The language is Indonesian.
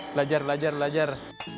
belajar belajar belajar